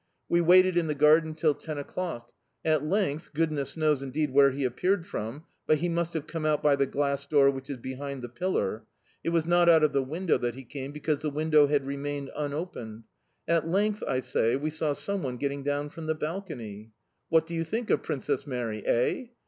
We waited in the garden till two o'clock. At length goodness knows, indeed, where he appeared from, but he must have come out by the glass door which is behind the pillar; it was not out of the window that he came, because the window had remained unopened at length, I say, we saw someone getting down from the balcony... What do you think of Princess Mary eh?